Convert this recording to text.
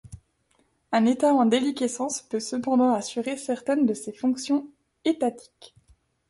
Un État en déliquescence peut cependant assurer certaines de ses fonctions étatiques.